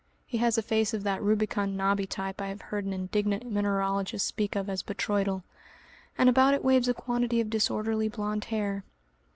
He has a face of that rubicund, knobby type I have heard an indignant mineralogist speak of as botryoidal, and about it waves a quantity of disorderly blond hair.